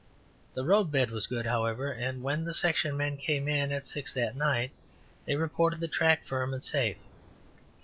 The roadbed was good, however, and when the section men came in at six that night they reported the track firm and safe.